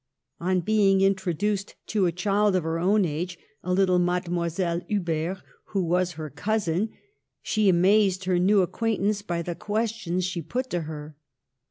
On being introduced to a child of her own age, a little Mademoiselle Huber, who was her cousin, she amazed her new acquaintance by the questions she put to her.